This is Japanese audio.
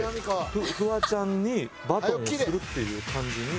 フワちゃんにバトンをするっていう感じに。